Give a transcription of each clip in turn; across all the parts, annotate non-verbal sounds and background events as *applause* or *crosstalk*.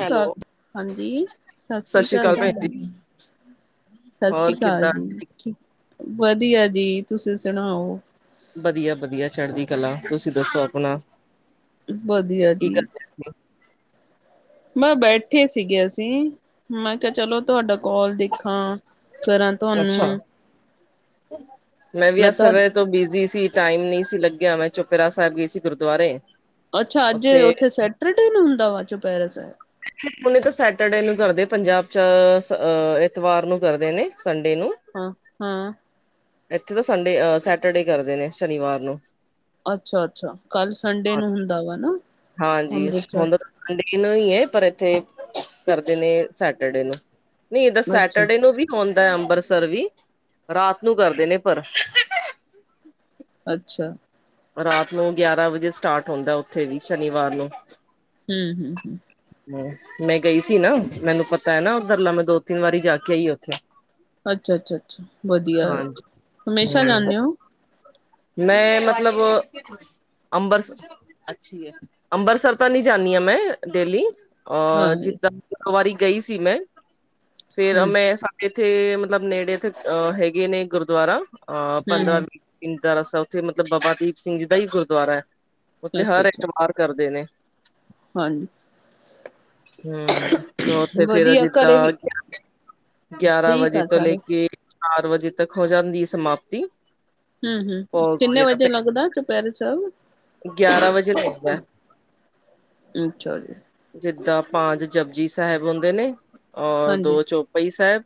Hello, ਹਾਂਜੀ, ਸਤਿ ਸ੍ਰੀ ਅਕਾਲ ਪੈਨ ਜੀ ਸਤਿ ਹੋਰ ਸ੍ਰੀ ਅਕਾਲ ਕਿੱਦਾਂ? ਜੀ, ਵਧੀਆ ਜੀ ਤੁਸੀਂ ਸੁਣਾਓ। ਵਧੀਆ- ਵਧੀਆ ਚੜ੍ਹਦੀ ਕਲਾ, ਤੁਸੀਂ ਦੱਸੋ ਅਪਨਾ। ਵਧੀਆ ਜੀ। ਮੈਂ ਬੈਠੇ ਸੀਗੇ ਅਸੀਂ, ਮੈਂ ਕਿਹਾ ਚਲੋ ਤੁਹਾਡਾ ਕੋਲ ਦੇਖਾਂ। ਕਰਾਂ ਅੱਛਾ। ਤੁਹਾਨੂੰ। ਮੈਂ ਵੀ ਅੱਜ ਸਵੇਰੇ ਤੋਂ ਬਿਜ਼ੀ ਸੀ, ਟਾਈਮ ਨਹੀਂ ਸੀ ਲੱਗਿਆ, ਮੈਂ ਚੁਪੇਰਾ ਸਾਹਿਬ ਗਈ ਸੀ ਗੁਰਦੁਆਰੇ ਅੱਛਾ, ਅੱਜ ਉੱਥੇ ਸੈਟਰਡੇ ਨੂੰ ਹੁੰਦਾ ਵਾ ਚੋਂਪਹਰਾ ਸਾਹਿਬ। ਹੁਣ ਇੱਥੇ ਸੈਟਰਡੇ ਨੂੰ ਕਰਦੇ, ਪੰਜਾਬ ਚਹ ਐਤਵਾਰ ਨੂੰ ਕਰਦੇ ਨੇ ਸੰਡੇ ਨੂੰ ਹਾਂ-ਹਾਂ। ਇੱਥੇ ਤਾਂ ਸੰਡੇ ਅ ਸੈਟਰਡੇ ਕਰਦੇ ਨੇ ਸ਼ਨੀਵਾਰ ਨੂੰ ਅੱਛਾ-ਅੱਛਾ, ਕੱਲ ਸੰਡੇ ਨੂੰ ਹੁੰਦਾ ਵਾ ਨਾ ਹਾਂਜੀ, ਅੰਮ੍ਰਿਤਸਰ ਹੁਨਦਾ ਤਾਂ ਮੰਡੇ ਨੂੰ ਹੀ ਏ ਪਰ ਇੱਥੇ ਕਰਦੇ ਨੇ ਸੈਟਰਡੇ ਨੂੰ ਨਹੀਂ ਇਦਾ ਅੱਛਾ ਸੈਟਰਡੇ ਨੂੰ ਵੀ ਹੋਦਾਂ ਅੰਬਰਸਰ ਵੀ, ਰਾਤ ਨੂੰ ਕਰਦੇ ਨੇ ਪਰ ਅੱਛਾ। ਰਾਤ ਨੂੰ ਗਿਆਰਾਂ ਵਜੇ ਸਟਾਰਟ ਹੁੰਦਾ, ਉੱਥੇ ਵੀ ਸ਼ਨੀਵਾਰ ਨੂੰ ਹੂੰ-ਹੂੰ-ਹੂੰ। *unintelligible* ਮੈਂ ਗਈ ਸੀ ਨਾ, ਮੈਨੂੰ ਪਤਾ ਏ ਨਾ ੳਧਰਲਾ, ਮੈਂ ਦੋ-ਤਿੰਨ ਵਾਰੀ ਜਾ ਕੇ ਆਈ ਉੱਥੇ ਅੱਛਾ-ਅੱਛਾ-ਅੱਛਾ ਵਧੀਆ, ਹਾਂਜੀ ਹਮੇਸ਼ਾ ਹੂੰ ਜਾਂਦੇ ਹੋ? ਮੈਂ ਮਤਲਬ, ਅੰਬਰਸ ਅੱਛੀ ਐ। ਅੰਬਰਸਰ ਤਾਂ ਨਹੀਂ ਜਾਂਦੀ ਆ ਮੈਂ ਡੇਲੀ ਅਹ, ਹਾਂ ਜਿੱਦਾਂ ਇੱਕ ਵਾਰੀ ਗਈ ਸੀ ਮੈਂ ਫੇਰ ਹੂੰ, ਮੈਂ ਇੱਥੇ ਮਤਲਬ ਨੇੜੇ ਤਾ ਅਹ ਹੈਗੇ ਨੇ ਗੁਰਦੁਆਰਾ ਅਹ ਹੂੰ, ਪੰਦਰਾਂ ਹੂੰ ਇੰਤਾ ਰਸਤਾ ਉੱਥੇ ਮਤਲਬ ਬਾਬਾ ਦੀਪ ਸਿੰਘ ਜੀ ਦਾ ਈ ਗੁਰਦੁਆਰਾ ਐ। ਉੱਥੇ ਹਰਏਕ ਅੱਛਾ-ਅੱਛਾ *unintelligible* ਕਰਦੇ ਨੇ ਹਾਂਜੀ ਹਮ, ਉੱਥੇ ਫੇਰ ਵਧੀਆ ਘਰੇ ਜਿੱਦਾਂ ਵੀ ਗਿਆਰਾਂ ਠੀਕ ਵਜੇ ਆ ਤੋਂ ਲੈ ਸਾਰੇ ਕੇ ਚਾਰ ਵਜੇ ਤੱਕ ਹੋ ਜਾਂਦੀ ਐ ਸਮਾਪਤੀ ਹਮ-ਹਮ ਭੋਗ ਕਿੰਨੇ ਵਗੈਰਾ ਵਜੇ ਪੈ ਲੱਗਦਾ ਚੁਪਹਿਰੇ ਸਾਹਿਬ ਗਿਆਰਾਂ ਵਜੇ ਲੱਗਦਾ। ਅੱਛਾ ਜੀ ਜਿੱਦਾਂ ਪੰਜ ਜਪੁਜੀ ਸਾਹਿਬ ਹੁੰਦੇ ਨੇ ਔਰ ਹਾਂਜੀ ਦੋ ਚੋਪਈ ਸਾਹਿਬ।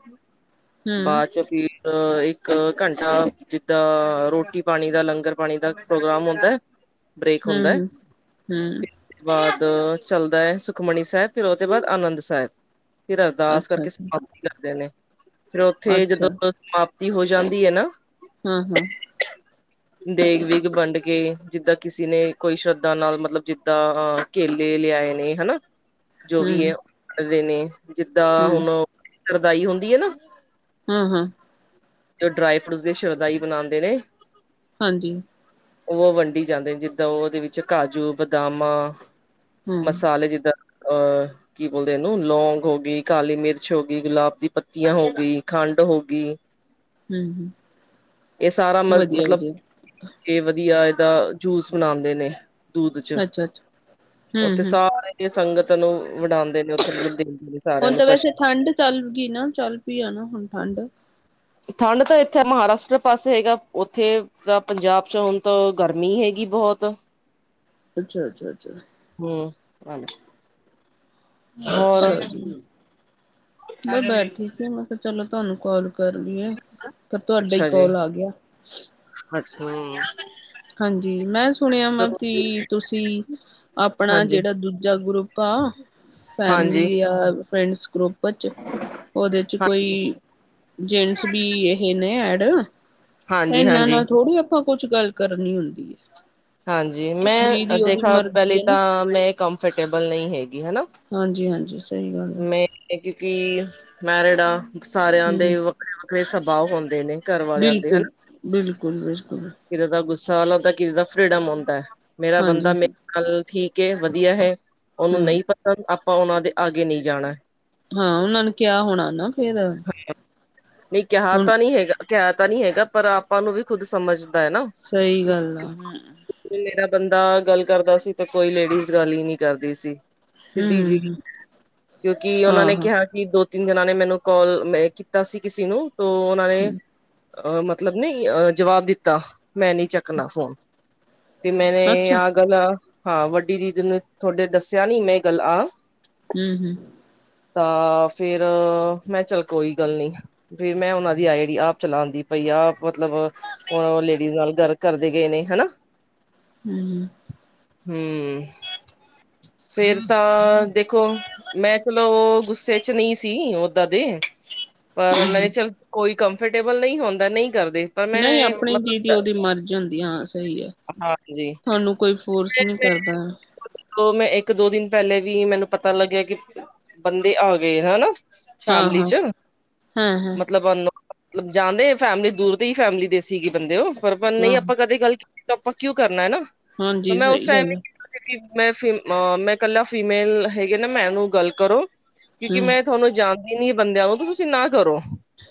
ਹੂੰ, ਬਾਅਦ ਚ ਫਿ ਅ ਇੱਕ ਘੰਟਾ ਜਿੱਦਾਂ ਰੋਟੀ ਪਾਣੀ ਦਾ, ਲੰਗਰ ਪਾਣੀ ਦਾ ਪ੍ਰੋਗਰਾਮ ਹੁੰਦਾ ਐ। ਬ੍ਰੇਕ ਹੂੰ, ਹੁੰਦਾ ਹੂੰ, ਹੂੰ ਬਾਅਦ ਚੱਲਦਾ ਹੈ, ਸੁਖਮਣੀ ਸਾਹਿਬ ਫਿਰ ਉਹਦੇ ਬਾਅਦ ਆਨੰਦ ਸਾਹਿਬ ਫਿਰ ਅਰਦਾਸ ਕਰਕੇ ਅੱਛਾ-ਅੱਛਾ ਕਰਦੇ ਨੇ, ਫਿਰ ਉੱਥੇ ਜਦੋਂ ਅੱਛਾ ਸਮਾਪਤੀ ਹੋ ਜਾਂਦੀ ਹੈ ਨਾ ਹਮ-ਹਮ ਦੇਗ ਵੇਗ ਵੰਡ ਕੇ ਜਿੱਦਾਂ ਕਿਸੇ ਨੇ ਕੋਈ ਸ਼ਰਧਾ ਨਾਲ ਮਤਲਬ ਜਿੱਦਾਂ ਅਹ ਕੇਲੇ ਲਿਆਏ ਨੇ ਹੈਨਾ ਜੋ ਵੀ ਹੂੰ ਹੈ ਉਹ ਕਰਦੇ ਨੇ ਜਿੱਦਾਂ ਹੂੰ, ਹੁਣ ਸ਼ਰਦਾਈ ਹੁੰਦੀ ਹੈ ਨਾ ਹਾਂ-ਹਾਂ ਡਰਾਈ ਫਰੂਟਸ ਦੀ ਸ਼ਰਦਾਈ ਬਣਾਉਂਦੇ ਨੇ ਹਾਂਜੀ ਉਹ ਵੰਡੀ ਜਾਂਦੇ ਜਿੱਦਾਂ ਉਹਦੇ ਵਿੱਚ ਕਾਜੂ ਬਦਾਮਾਂ ਹੂੰ, ਮਸਾਲੇ ਜਿੱਦਾਂ ਅਹ- ਕੀ ਬੋਲਦੇਨੂੰ ਲੌਂਗ ਹੋ ਗਈ ਕਾਲੀ ਮਿਰਚ ਹੋ ਗਈ ਗੁਲਾਬ ਦੀ ਪੱਤੀਆਂ ਹੋ ਗਈ ਖੰਡ ਹੋ ਗਈ ਹਮ-ਹਮ ਇਹ ਸਾਰਾ ਮ ਮਤਲਬ ਕਿ ਵਧੀਆ ਇਹਦਾ ਜੂਸ ਬਣਾਉਂਦੇ ਨੇ ਦੂਧ ਚ ਅੱਛਾ-ਅੱਛਾ ਹੂੰ, ਉੱਥੇ ਹੂੰ ਸਾਰੇ ਸੰਗਤ ਨੂੰ ਵਡਾਉਂਦੇ ਨੇ ਉੱਥੇ ਦੁਧ ਹੁਣ ਤਾਂ ਵੈਸੇ ਠੰਢ ਚੱਲ ਗਈ ਨਾ ਚੱਲ ਪਈ ਆ ਨਾ ਹੁਣ ਠੰਡ ਠੰਡ ਤਾਂ ਇੱਥੇ ਮਹਾਰਾਸ਼ਟਰ ਪਾਸੇ ਹੈਗਾ ਉੱਥੇ ਤਾਂ ਪੰਜਾਬ ਚ ਹੁਣ ਤਾਂ ਗਰਮੀ ਹੈਗੀ ਬਹੁਤ ਅੱਛਾ-ਅੱਛਾ-ਅੱਛਾ ਹਮ ਚ ਅੱਛਾ ਜੀ ਮੈਂ ਬੈਠੀ ਸੀ ਮੈਂ ਕਿਹਾ ਚਲੋ ਤੁਹਾਨੂੰ ਕਾਲ ਕਰ ਲਈ ਹੈ ਪਰ ਤੁਹਾਡਾ ਹੀ ਜੀ ਕਾਲ ਆ ਗਿਆ ਅੱਛਾ ਹਾਂਜੀ ਮੈਂ ਸੁਣਿਆ ਵਾ ਕਿ ਤੁਸੀਂ ਆਪਣਾ ਹਾਂਜੀ ਹਾਂਜੀ ਜਿਹੜਾ ਦੂਜਾ ਗਰੁੱਪ ਆ ਹਾਂਜੀ ਫੈਮਲੀ ਆ ਫਰੈਂਡਸ ਗਰੁੱਪ ਉਹਦੇ ਚ ਕੋਈ ਜੇਨਟਸ ਵੀ ਇਹ ਨੇ ਐਡ ਤਾਂ ਹਾਂਜੀ ਇਹਨਾਂ ਹਾਂਜੀ ਨਾਲ ਥੋੜ੍ਹੀ ਆਪਾਂ ਕੁਛ ਗੱਲ ਕਰਨੀ ਹੁੰਦੀ ਹੈ ਹਾਂਜੀ ਮੈਂ ਜਿਹਦੀ ਉਹਦੀ ਦੇਖਾ ਪਹਿਲੀ ਮਰਜ਼ੀ ਹੈ ਨਾ ਤਾਂ ਮੈਂ ਕੰਫਰਟੇਬਲ ਨਹੀਂ ਹੈਗੀ ਹੈਨਾ ਹਾਂਜੀ-ਹਾਂਜੀ ਮੈਂ ਕਿਉਂਕਿ ਮੈਰਿਡ ਆ ਸਾਰਿਆਂ ਹਮ ਦੇ ਵੱਖਰੇ-ਵੱਖਰੇ ਸੁਭਾਅ ਹੁੰਦੇ ਨੇ ਘਰ ਵਾਲਿਆਂ ਦੇ ਹਨਾ ਬਿਲਕੁਲ-ਬਿਲਕੁਲ-ਬਿਲਕੁਲ ਕਿਸੇ ਦਾ ਗੁੱਸਾ ਵਾਲਾਉੁੰਦਾ ਕਿਸੇ ਦਾ ਫਰੀਡਮ ਆਉਂਦਾ ਮੇਰਾ ਹਾਂਜੀ ਬੰਦਾ ਮੇ ਕੱਲ ਠੀਕ ਵਧੀਆ ਹੈ ਉਹਨੂੰ ਹਮ ਨਹੀਂ ਪਤਾ ਆਪਾਂ ਉਹਨਾਂ ਦੇ ਆਗੇ ਨਹੀਂ ਜਾਣਾ ਹਾਂ ਉਹਨਾਂ ਨੂੰ ਕਿਹਾ ਹੋਣਾ ਨਾ ਫੇਰ ਨਹੀਂ ਕਿਹਾ ਹੁਣ ਤਾਂ ਨਹੀਂ ਹੈਗਾ ਕਿਹਾ ਤਾਂ ਨਹੀਂ ਹੈਗਾ ਪਰ ਆਪਾਂ ਨੂੰ ਵੀ ਖੁੱਦ ਸਮਝ ਹੈ ਨਾ ਸਹੀ ਗੱਲ ਆ ਮੇਰਾ ਬੰਦਾ ਗੱਲ ਕਰਦਾ ਸੀ ਤੇ ਕੋਈ ਲੇਡੀਜ਼ ਗੱਲ ਹੀ ਨਹੀਂ ਕਰਦੀ ਸੀ ਸਿੱਧੀ ਜੀ ਹਮ ਕਿਉਂਕਿ ਉਹਨਾਂ ਹਾਂ ਨੇ ਹਾਂ ਕਿਹਾ ਦੋ ਤਿੰਨ ਜਣਾ ਨੇ ਮੈਨੂੰ ਕਾਲ ਮੈਂ ਕੀਤਾ ਸੀ ਕਿਸੇ ਨੂੰ ਤ ਉਹਨਾਂ ਨੇ ਅਹ ਮਤਲਬ ਨਹੀਂ ਅ ਜਵਾਬ ਦਿੱਤਾ ਮੈਂ ਨਹੀਂ ਚੱਕਣਾ ਫੋਨ ਤੇ ਮੈਨੇ ਅੱਛਾ ਆਹ ਗੱਲ ਹਾਂ ਵੱਡੀ ਦੀਦੀ ਨੂ ਤੁਥਹਾਡੇ ਦੱਸਿਆ ਨੀ ਮੈਂ ਗੱਲ ਆ ਹਮ-ਹਮ ਤਾਂ ਫੇਿਰ ਮੈਂ ਚੱਲ ਕੋਈ ਗੱਲ ਨੀ ਫ ਮੈਂ ਉਹਨਾਂ ਦੀ ਆਏ ਜੜੀ ਆਪ ਚਲਾਉਣ ਦੀ ਪਈ ਆਪ ਮਤਲਬ ਹੁਣ ਲੇਡੀਜ਼ ਨਾਲ ਗਾਲ ਕਰਦੇ ਗਏ ਨੇ ਹੈਨਾ ਹਮ ਹਮ ਫੇਰ ਤਾਂ ਦੇਖੋ ਮੈਂ ਚਲੋ ਉਹ ਗੁੱਸੇ ਚ ਨਹੀਂ ਸੀ ਓਦਾਂ ਦੇ ਪਰ ਹਮ ਮੈਨੇ ਹਮ ਚੱਲ ਕੋਈ ਕੰਫਰਟੇਬਲ ਨਹੀਂ ਹੁੰਦਾ ਨਹੀਂ ਕਰਦੇ ਪਰ ਮੈਂ ਨਹੀਂ ਆਪਣੀ ਜੀ ਮਤਲਬ ਦੀ ਉਹਦੀ ਮਰਜ਼ ਹੁੰਦੀ ਹਾਂ ਸਹੀ ਹੈ ਹਾਂਜੀ ਤੁਹਾਨੂੰ ਕੋਈ ਫੋਰਸ ਨਹੀਂ ਕਰਦਾ ਹੈ ਮੈਂ ਇੱਕ ਦੋ ਦਿਨ ਪਹਿਲੇ ਵੀ ਮੈਨੂੰ ਪਤਾ ਲੱਗਿਆ ਕਿ ਬੰਦੇ ਆ ਗਏ ਹੈਨਾ ਹਾਂ ਫੈਮਲੀ ਹਾਂ ਚ ਹਾਂ ਹਾਂ ਮਤਲਬ ਅਨ ਮਤਲਬ ਜਾਂਦੇ ਫੈਮਿਲੀ ਦੂਰ ਤੇ ਹੀ ਫੈਮਿਲੀ ਦੇ ਸੀਗੀ ਬੰਦੇ ਉਹ ਪਰ ਨਹੀਂ ਹਾਂ ਆਪਾਂ ਕਦੇ ਗੱਲ ਆਪਾਂ ਕਿਉ ਕਰਨਾ ਹੈ ਨਾ ਹਾਂਜੀ ਮੈਂ ਉਸ ਸਹੀ ਗੱਲ ਆ ਟਾਈਮ ਮੈਂ ਮੈਂ ਇਕੱਲਾ ਫੀਮੇਲ ਹੈਗੇ ਨਾ ਮੈਂਨੂੰ ਗੱਲ ਕਰੋ। ਕਿਉਂਕਿ ਹਮ ਮੈਂ ਤੁਹਾਨੂੰ ਜਾਣਦੀ ਨੀ ਬੰਦਿਆਂ ਨੂੰ ਤੁਸੀਂ ਨਾ ਕਰੋ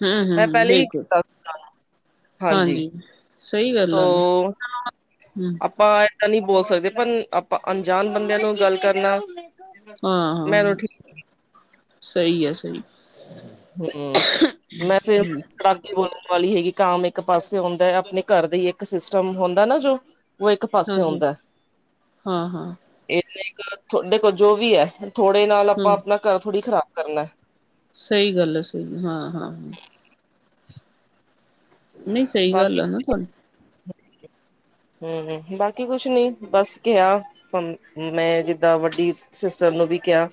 ਹਮ ਮੈਂ ਹਮ ਪਹਿਲੇ ਹੀ ਬਿਲਕੁਲ ਸੀ। ਹਾਂਜੀ। ਸਹੀ ਗੱਲ ਆ ਨਾ ਹਮ *unintelligible* ਆਪਾਂ ਇਹ ਤਾਂ ਨਹੀਂ ਬੋਲ ਸਕਦੇ ਪਰ ਆਪਾਂ ਅਣਜਾਣ ਬੰਦਿਆਂ ਤੋਂ ਗੱਲ ਕਰਨਾ ਹਾਂ ਮੈਨੂੰ ਹਾਂ ਠੀਕ ਸਹੀ ਆ ਸਹੀ। ਹਮ ਮੈਂ ਫਿਰ ਬਾਕੀ ਬੋਲਣ ਵਾਲੀ ਹੈਗੀ ਕੰਮ ਇੱਕ ਪਾਸੇ ਆਉਂਦਾ ਆਪਣੇ ਘਰ ਦਾ ਹੀ ਇੱਕ ਸਿਸਟਮ ਹੁੰਦਾ ਨਾ ਜੋ ਉਹ ਇੱਕ ਪਾਸੇ ਹਾਂਜੀ ਆਉਂਦਾ। ਹਾਂ ਹਾਂ ਇਹ ਤੁਹਾਡੇ ਕੋਲ ਜੋ ਵੀ ਹੈ ਥੋੜੇ ਨਾਲ ਆਪਾਂ ਹਮ ਆਪਣਾ ਘਰ ਥੋੜ੍ਹੀ ਖ਼ਰਾਬ ਕਰਨਾ। ਸਹੀ ਗੱਲ ਸਹੀ ਹਾਂ ਹਾਂ। ਨਹੀਂ ਸਹੀ ਗੱਲ ਬਾਕੀ ਆ ਨਾ ਤੁਹਨੂੰ ਹਮ ਬਾਕੀ ਕੁਛ ਨੀ ਬਸ ਕਿਹਾ। ਮੈਂ ਜਿੱਦਾਂ ਵੱਡੀ ਸਿਸਟਰ ਨੂੰ ਵੀ ਕਿਹਾ।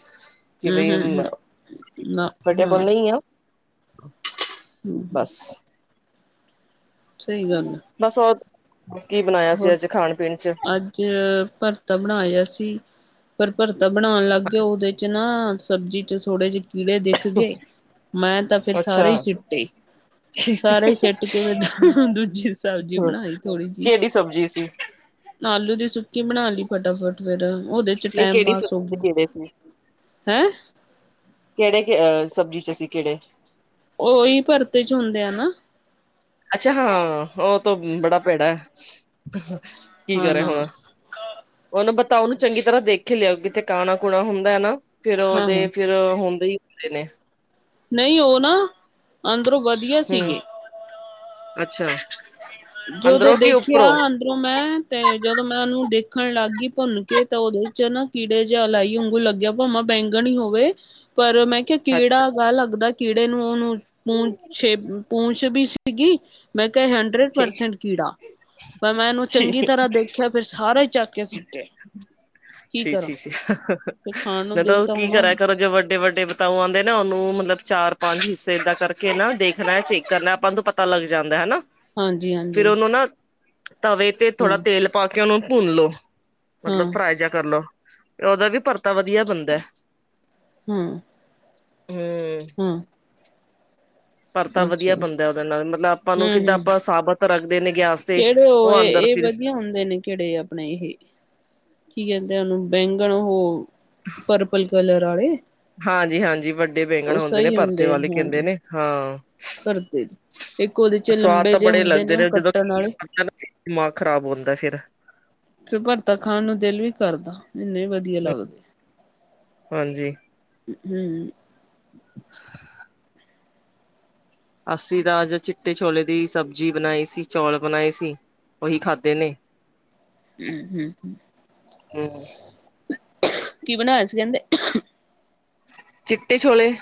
ਕਿ ਹਮ ਬਾਈ ਹਮ ਹਮ ਨਾ ਹਾਂ ਕਮਫਰਟੇਬਲ ਨਹੀਂ ਆ। ਹਮ ਹਮ ਬਸ *unintelligible* ਸਹੀ ਗੱਲ ਆ। ਬਸ ਉਹ ਕੀ ਬਣਾਇਆ ਸੀ ਅੱਜ ਖਾਣ ਪੀਣ ਚ ਚ ਭਰਤਾ ਬਣਾਇਆ ਸੀ ਪਰ ਭਰਤਾ ਬਣਾਉਣ ਲੱਗ ਗਿਆ ਉਹਦੇ ਨਾ ਸਬਜ਼ੀ ਚ ਥੋੜੇ ਜਿਹੇ ਕੀੜੇ ਦਿਖ ਗਏ ਮੈਂ ਤਾਂ ਫਿਰ ਸਾਰੇ ਅੱਛਾ ਹੀ ਸਿੱਟੇ। ਸਾਰੇ ਸੁਟ ਕੇ ਫਿਰ ਦੂਜੀ ਸਬਜ਼ੀ ਬਣਾਈ ਥੋੜੀ ਜਿਹੀ ਕਿਹੜੀ ਸਬਜ਼ੀ ਸੀ ਆਲੂ ਦੀ ਸੁੱਕੀ ਬਣਾ ਲਈ ਫਟਾਫਟ ਫੇਿਰ ਉਹਦੇ ਚ ਨਹੀਂ ਟੈਮ ਕਿਹੜੀ ਪਾਸ ਸਬਜ਼ੀ ਹੋਊਗਾ ਕਿਹੜੇ ਸੀ ਹੈਂ, ਕਿਹੜੇ ਕਿ ਅ ਸਬਜ਼ੀ ਚ ਅ ਸੀਂ ਕਿਹੜੇ ਉਹੀ ਪਰਤੇ ਚ ਹੁੰਦੇ ਆ ਨਾ ਅੱਛਾ ਹਾਂ ਉਹ ਤਾਂ ਬੜਾ ਭੇੜਾ ਕੀ ਹਾਂ ਕਰੇ ਨਾ ਹੁਣ। ਉਹਨੂੰ ਪਤਾ ਉਹਨੂੰ ਚੰਗੀ ਤਰ੍ਹਾਂ ਦੇਖ ਲਿਆਓ ਕਿਥਤੇ ਕਾਣਾ ਕੂਣਾ ਹੁੰਦਾ ਹੈ ਨਾ ਫੇਿਰ ਹਾਂ ਉਹਦੇ ਹਾਂ ਫਿਰ ਹੁੰਦੇ ਹੀ ਹੁੰਦੇ ਨੇ ਨਹੀਂ ਉਹ ਨਾ ਅੰਦਰੋਂ ਵਧ ਹਮ ਅੱਛਾ। ਜਦੋਂ ਅੰਦਰੋਂ ਕਿ ਦੇਖਿਆ ਉੱਪਰੋਂ ਉਦੋਂ ਮੈਂ ਤੇ ਜਦੋਂ ਮੈਂ ਉਹਨੂੰ ਦੇਖਣ ਲੱਗ ਗਈ ਭੁੰਨ ਕੇ ਤਾਂ ਉਹਦੇ ਚ ਨਾ ਕੀੜੇ ਜਿ ਇਲਾਈ ਉਂਗੂ ਲੱਗਿਆ ਭਾਵਾਂ ਬੈਂਗਣ ਹੀ ਹੋਵੇ ਪਰ ਮੈਂ ਕਿਹਾ ਅੱਛਾ ਕੀੜਾ ਪ ਲੱਗਦਾ ਕੀੜੇ ਨੂੰ ਉਹਨੂੰ ਪੂੰਛ ਛੇ ਪੂੰਛ ਵੀ ਸੀਗੀ ਮੈਂ ਕਿਹਾ ਹੰਡਰਡ ਠੀਕ ਪਰਸੈਂਟ ਕੀੜਾ ਪਰ ਮੈਂ ਇਹਨੂੰ ਜੀ ਚੰਗੀ ਤਰ੍ਹਾਂ ਦੇਖਿਆ ਫਿਰ ਸਾਰੇ ਚੱਕ ਕੇ ਸਿੱਟੇ, ਕੀ ਸੀ, ਕਰਾਂ ਸੀ, ਸੀ ਫਿਰ ਖਾਣ ਨੂੰ ਤਾਂ ਦਿਲ ਉਹ ਕੀ ਹੋਣਾ ਕਰਾ ਕਰੋ ਜੋ ਵੱਡੇ, ਵੱਡੇ ਤਾਂ ਉਹ ਆਉਂਦੇ ਨਾ ਉਹਨੂੰ ਮਤਲਬ ਚਾਰ ਪੰਜ ਹਿੱਸੇ ਏਦਾਂ ਕਰਕੇ ਨਾ ਦੇਖਣਾ ਚੇਕ ਕਰਨਾ ਆਪਾਂ ਨੂੰ ਪਤਾ ਲੱਗ ਜਾਂਦਾ ਹਨਾ ਹਾਂਜੀ ਫਿਰ ਹਾਂਜੀ ਉਹਨੂੰ ਨਾ ਤਵੇ ਤੇ ਥੋੜਾ ਹਮ ਤੇਲ ਪਾ ਕੇ ਉਹਨੂੰ ਭੁੰਨ ਲੋੋ ਮਤਲਬ ਹਾਂ ਫਰਾਏ ਜਾ ਕਰਲੋ ਉਹਦਾ ਵੀ ਪਰਤਾ ਵਧੀਆ ਬਣਦਾ। ਹੁ ਹੁ ਹੁ ਭਰਤਾ ਵਧੀਆ ਬਣਦਾ ਉਹਦੇ ਨਾਲ, ਮਤਲਬ ਆਪਾਂ ਨੂੰ ਹਮ ਕਿੱਦਾਂ ਹਮ ਆਪਾਂ ਸਾਬਤ ਰੱਖਦੇ ਨੇ ਤੇ ਕਿਹੜੇ ਉਹ ਅੰਦਰ ਇਹ ਫਿਰ ਵਧੀਆ ਹੁੰਦੇ ਨੇ ਕਿਹੜੇ ਆਪਣੇ ਇਹ, ਕੀ ਕਹਿੰਦੇ ਉਹਨੂੰ ਬੈਂਗਣ ਉਹ ਪਰਪਲ ਕਲਰ ਵਾਲੇ ਹਾਂਜੀ, ਹਾਂਜੀ ਵੱਡੇ ਬੈਂਗਣ ਹੁੰਦੇ ਨੇ ਭਰਥੇ ਆ ਵਾਲੇ ਕਹਿੰਦੇ ਹਾਂਜੀ ਨੇ ਹਾਂ ਭਰਤੇ ਦੇ। ਇੱਕ ਉਹਦੇ ਚ ਸਵਾਦ ਲੰਬੇ ਤਾਂ ਜਿਹੇ ਬੜੇ ਹੁੰਦੇ ਲੱਗਦੇ ਉਹ ਨੇ ਜਦੋਂ ਕੱਟਣ ਆਲੇ *unintelligible* ਦਾ ਨਾ ਦਿਮਾਗ ਖਰਾਬ ਹੁੰਦਾ ਫਿਰ ਫੇਰ ਭਰਥਾ ਖਾਣ ਨੂੰ ਦਿਲ ਵੀ ਕਰਦਾ, ਇੰਨੇ ਲਦੇ ਹਾਂਜੀ ਹਮ ਹ *unintelligible* *inaudible* *inaudible* ਅਸੀ ਤਾ ਅੱਜ ਚਿੱਟੇ ਛੋਲੇ ਦੀ ਸਬਜ਼ੀ ਬਣਾਈ ਸੀ ਚੌਲ ਬਣਾਏ ਸੀ ਉਈ ਖਾਧੇ ਨੇ ਹਮ, ਹਮ, ਹਮ *unintelligible* ਹੂੰ ਕੀ ਬਣਾਇਆ ਸੀ *unintelligible* ਕਹਿੰਦੇ ਚਿੱਟੇ ਛੋਲੇ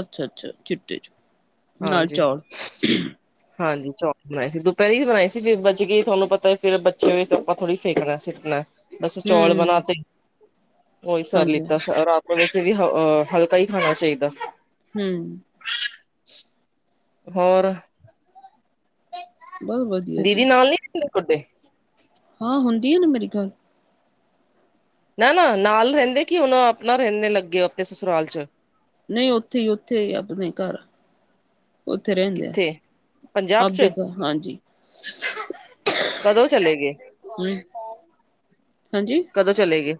ਅੱਛਾ, ਅੱਛਾ ਚਿੱਟੇ ਛੋਲੇ ਹਾਂਜੀ ਹਾਂਜੀ ਚੌਲ ਬਣਾਈ ਸੀ ਦੁਪਹਿਰੇ ਬਣਾਈ ਸੀ ਫਿਰ ਬੱਚ ਗਈ ਤੁਹਾਨੂੰ ਪਤਾ ਫਿਰ ਬੱਚੇ ਹੋਏ ਆਪਾਂ ਥੋੜ੍ਹੀ ਫੇਕਣਾ ਸੁਟਣਾ ਬਸ ਚੌਲ ਬਣਾ ਹੂੰ ਤੇ ਉਹੀ ਸਰ ਹਾਂਜੀ ਲਿੱਤਾ ਰਾਤ ਵਿੱਚ ਵੀ ਹਲਕਾ ਹੀ ਖਾਣਾ ਚਾਈਦਾ ਹੂੰ ਹੋਰ ਬਸ ਵਧੀਆ ਦੀਦੀ ਜੀ ਨਾਲ ਨੀਦੇ ਕੁਡੇ ਹਾਂ ਹੁੰਦੀ ਏ ਨਾ ਮੇਰੀ ਗੱਲ ਨਾ -ਨਾ ਨਾਲ ਰਹਿੰਦੇ ਕਿ ਹੁਣ ਆਪਣਾ ਰਹਿਣ ਲੱਗ ਗਏ ਅਪਨਾ ਸਸੁਰਾਲ ਚ ਨਹੀ ਉੱਥੇ ਈ ਉੱਥੇ ਆਪਣੇ ਘਰ ਉੱਥੇ ਰਹਿੰਦੇ, ਕਿੱਥੇ ਪੰਜਾਬ ਆਪਦੇ ਚ ਕੋਲ ਹਾਂਜੀ ਕਦੋਂ ਚਲੇ ਗਏ ਹ, ਹਾਂਜੀ ਕਦੋਂ ਚਲੇ ਗਏ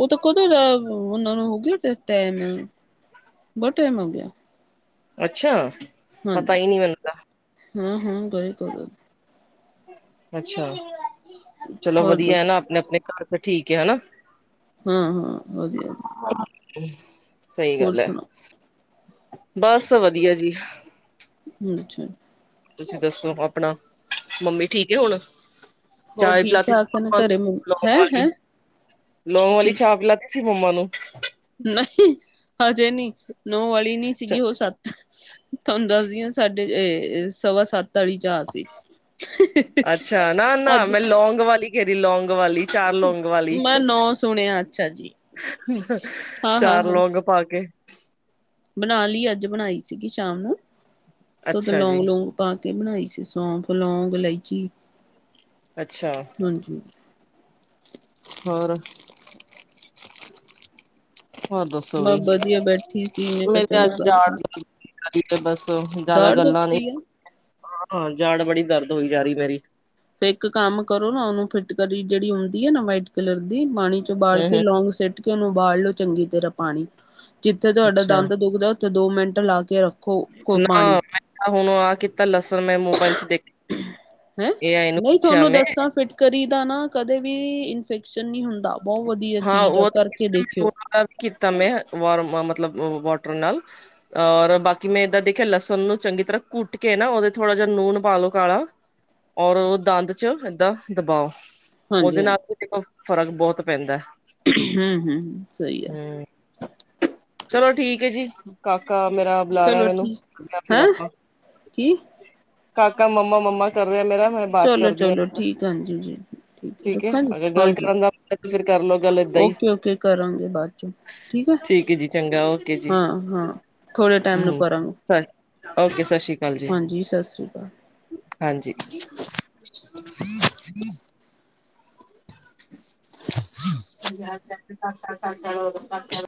ਉ ਤਾਂ ਕਦੋਂ, ਉਨਾਂ ਨੂੰ ਹੋ ਗਿਆ ਤੇ ਟਾਈਮ ਬਹੁਤ ਟਾਈਮ ਹੋ ਗਿਆ ਅੱਛਾ, ਪਤਾ ਹਾਂਜੀ ਈ ਨੀ ਲਗਦਾ ਹਾਂ, ਹਾਂ ਗਲੀ ਕਰ ਅੱਛਾ, ਚਲੋ ਹੋਰ ਵਧੀਆ ਏ ਨਾ ਦੱਸੋ ਆਪਣੇ- ਆਪਣੇ ਘਰ ਚ ਠੀਕ ਆ ਨਾ ਹਾਂ, ਹਾਂ ਵਧੀਆ ਸਈ ਹੋਰ ਗੱਲ ਏ, ਸੁਣਾਓ ਬਸ ਵਧੀਆ ਜੀ ਅੱਛਾ ਤੁਸੀਂ ਦੱਸੋ ਆਪਣਾ, ਮੰਮੀ ਠੀਕ ਏ ਹੁਣ ਹੋਰ ਚਾਹ ਠੀਕ ਪਿਲਾਤੀ ਠਾਕ ਹੈ ਨਾ ਮੰਮਾ ਨੂੰ ਘਰੇ ਮ ਲੋਗ ਹੈ ਹੈ ਵਾਲੀ ਲੋਗ ਵਾਲੀ ਚਾਹ ਪਿਲਾਤੀ ਸੀ ਮੰਮਾ ਨੂੰ ਨਈ ਹਜੇ ਨੀ, ਨੌ ਅਲੀ ਨੀ ਅੱਛਾ ਸੀਗੀ ਉ ਸੱਤ ਤੁਹਾਨੂੰ ਦੱਸਦੀ ਆ ਸਾਡੇ ਸਵਾ ਸੱਤ ਵਾਲੀ ਚਾਹ ਸੀ ਅੱਛਾ, ਨਾ -ਨਾ ਅੱਜ ਮੈਂ ਲੌਂਗ ਵਾਲੀ ਕਹਿ ਰਹੀ ਲੌਂਗ ਵਾਲੀ ਚਾਹ ਲੌਂਗ ਵਾਲੀ ਮੈਂ ਨੌ ਸੁਣਿਆ ਅੱਛਾ ਜੀ ਹਾਂ ਹਾਂ ਚਾਰ ਹਾਂ ਲੌਗ ਪਾ ਕੇ ਬਣਾ ਲਈ ਅੱਜ ਬਣਾਈ ਸੀਗੀ ਸ਼ਾਮ ਨੂੰ ਤੋ ਉਦੋਂ ਅੱਛਾ ਲੋਂਂਗ ਜੀ ਲੁੰਗ ਪਾ ਕੇ ਬਣਾਈ ਸੀ ਸੌਂਫ, ਲੋਂਗ, ਇਲਾਇਚੀ ਅੱਛਾ ਹਾਂਜੀ ਹੋਰ ਹੋਰ ਦੱਸੋ ਬਈ, ਬਸ ਵਧੀਆ ਬੈਠੀ ਸੀ ਕਿਹਾ ਮੈਂ ਤੇ ਚਲੋ ਅੱਜ ਗੱਲ ਜਾ ਕਰ ਅਸੀ ਤਾਂ ਬਸ ਜ਼ਿਆਦਾ ਦਾੜ ਗੱਲਾਂ ਨੀ ਦੁਖਦੀ ਆ ਹਾਂ ਹਾਜਾੜ ਬੜੀ ਦਰਦ ਹੋਈ ਜਾ ਰੀ ਮੇਰੀ ਫਿਰ ਇਕ ਕੰਮ ਕਰੋ ਨਾ ਉਹਨੂੰ ਫਿਟਕੜੀ ਜਿਹੜੀ ਹੁੰਦੀ ਹੈ ਨਾ ਵਾਈਟ ਕਲਰ ਦੀ ਪਾਣੀ 'ਚ ਉਬਾਲ ਹੂੰ ਕੇ ਹੂੰ ਲੌਂਗ ਸੁਟ ਕੇ ਉਹਨੂੰ ਉਬਾਲ ਲਓ ਚੰਗੀ ਤਰਾ ਪਾਣੀ ਜਿਥੇ ਤੁਹਾਡਾ ਅੱਛਾ ਦੰਦ ਦੁਖਦਾ ਤੇ ਉਥੇ ਦੋ ਮਿੰਟ ਲਾ ਕੇ ਰੱਖ- ਨਾ ਮੈਂ ਹੁਣ ਆ- ਲਸਣ ਮੈਂ ਮੋਬਾਈਲ ਚ ਦੇਖ, ਹੈਂ ਏ ਆਈ ਨੂੰ ਨਹੀਂ ਪੁਛਿਆ ਤੁਹਾਨੂੰ ਮੈੰ ਦੱਸਾਂ ਫਿਟਕਰੀ ਦਾ ਨਾ ਕਦੇ ਵੀ ਇਨਫੈਕਸ਼ਨ ਨਹੀ ਹੁੰਦਾ ਬਹੁਤ ਵਧੀਆ ਹਾਂ ਚੀਜ ਆ ਉਹ ਤਾਂ ਕਰਕੇ ਕੀਤਾ ਮੈਨੂੰ ਦੇਖਿਓ ਉਹਨਾਂ ਦਾ ਵੀ ਕੀਤਾ ਮੈਂ ਵਾਰਮ ਮਤਲਬ ਵਾਟਰ ਨਾਲ ਔਰ ਬਾਕੀ ਮੈਂ ਏਦਾਂ ਦੇਖਿਆ ਲਸਣ ਨੂੰ ਚੰਗੀ ਤਰ੍ਹਾਂ ਕੁਟ ਕੇ ਨਾ ਉਹਦੇ ਥੋੜਾ ਜਿਹਾ ਲੂਨ ਪਾ ਲਉ ਕਾਲਾ ਔਰ ਉਹ ਦੰਦ ਚ ਏਦਾਂ ਦਬਾਓ, ਉਹਦੇ ਹਾਂਜੀ ਨਾਲ ਦੇਖੋ ਫ਼ਰਕ ਬਹੁਤ ਪੈਦਾ ਹੂੰ- ਹੂੰ ਸਹੀ ਹੈ। ਚਲੋ ਠੀਕ ਹੈ ਜੀ, ਕਾਕਾ ਮੇਰਾ- ਬੁਲਾ ਰਿਹਾ ਚਲੋ ਮੈਨੂੰ ਠੀਕ ਜਾਂ ਫਿਰ ਹੈਂ ਆਪਾ ਕੀ ਕਾਕਾ ਮੰਮਾ- ਮੰਮਾ ਕਰ ਰਿਹਾ ਮੇਰਾ ਮ ਚਲੋ, ਚਲੋ ਠੀਕ ਹੈ। ਹਾਂਜੀ ਜੀ ਠੀਕ ਹੈ ਰੱਖਾਂ ਜੀ ਅਗਰ ਗੱਲ ਹਾਂਜੀ ਕਰਨ ਦਾ ਮਨ ਹੈ ਤਾਂ ਫਿਰ ਕਰ ਲਓ ਗੱਲ ਏਦਾਂ ਹੀ ਓਕੇ- ਓਕੇ ਕਰਾਂਗੇ ਬਾਅਦ 'ਚ ਠੀਕ ਹੈ। ਜੀ ਚੰਗਾ ਓਕੇ ਜੀ ਹਾਂ -ਹਾਂ। ਥੋੜੇ ਟਾਈਮ ਨੂੰ ਕਰਾਂ ਸਤ ਓਕੇ ਸਤਿ ਸ਼੍ਰੀ ਅਕਾਲ। ਜੀ ਹਾਂਜੀ ਸਤਿ ਸ਼੍ਰੀ ਅਕਾਲ। ਹਾਂਜੀ- ਹਮ *unintelligible* ਤਾਲ ਤ ਤ *unintelligible* *unintelligible*